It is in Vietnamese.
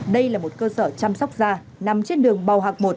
đây là một cơ sở chăm sóc da nằm trên đường bầu hạc một